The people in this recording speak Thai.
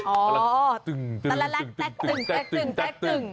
อ๋อยังรู้แจ้ง